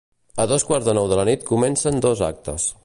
A dos quarts de nou de la nit comencen dos actes.